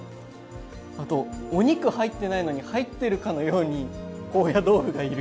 あとお肉入ってないのに入ってるかのように高野豆腐がいる。